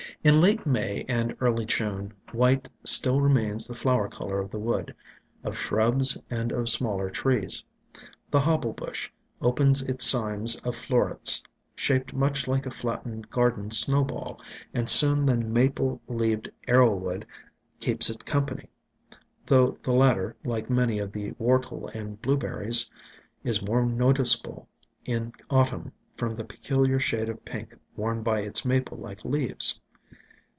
In late May and early June white still remains the flower color of the wood, of shrubs and of smaller trees. The Hobble Bush opens its cymes of florets, shaped much like a flattened garden Snowball, and soon the Maple leaved Arrow wood keeps it company, though the latter, like many of the Whortle and Blueberries, is more noticeable in Autumn from the peculiar shade of pink worn by its Maple like leaves.